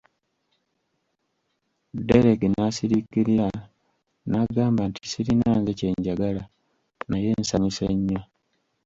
Dereki n'asiriikirira, n'agamba nti Sirina nze kye njagala naye nsanyuse nnyo.